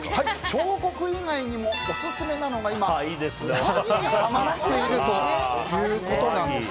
彫刻以外にもオススメなのが今、おはぎにハマっているということなんです。